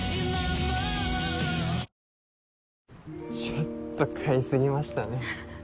ちょっと買いすぎましたね